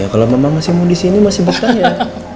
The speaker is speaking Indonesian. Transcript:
ya kalau mama masih mau disini masih bukan ya